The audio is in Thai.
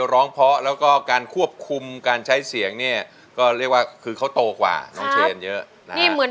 ของหัวใจของคุณ